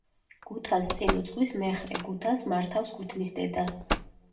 გუთანს წინ უძღვის მეხრე, გუთანს მართავს გუთნისდედა.